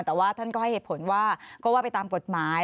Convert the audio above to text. แต่ว่าท่านก็ให้เหตุผลว่าก็ว่าไปตามกฎหมาย